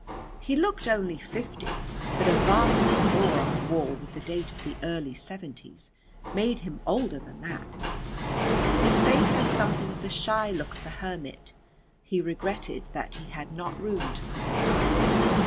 He looked only fifty, but a 'Varsity oar on the wall with the date of the early seventies, made him older than that; his face had something of the shy look of the hermit; he regretted that he had not room to put me up.